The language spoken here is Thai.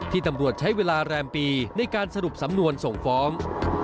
ตำรวจใช้เวลาแรมปีในการสรุปสำนวนส่งฟ้อง